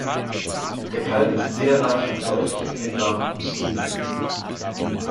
Der Kalk ist sehr reich an deutlich erkennbaren Fossilien.